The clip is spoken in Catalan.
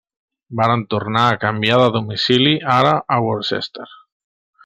Varen tornar a canviar de domicili ara a Worcester.